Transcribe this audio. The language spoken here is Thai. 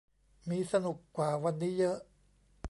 มีสนุกกว่าวันนี้เยอะ